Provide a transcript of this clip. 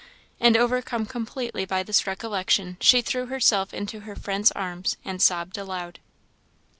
and, overcome completely by this recollection, she threw herself into her friend's arms and sobbed aloud.